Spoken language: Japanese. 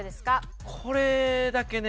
これだけね